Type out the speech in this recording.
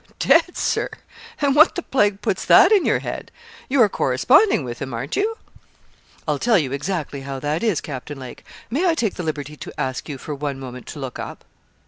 'Dead, Sir! and what the plague puts that in your head? You are corresponding with him aren't you?' 'I'll tell you exactly how that is, Captain Lake. May I take the liberty to ask you for one moment to look up?'